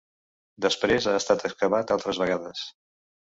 Després ha estat excavat altres vegades.